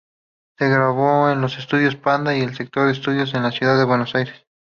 Se grabó en los Estudios "Panda" y "Spector Studios" de la ciudad Buenos Aires.